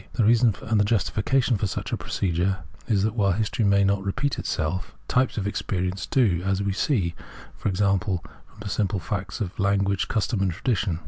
The reason, and the justification, for such procedure is that while history may not repeat itself, types of experience do, as we see, e.g., from the simple facts of language, custom, and tradition.